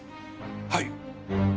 はい。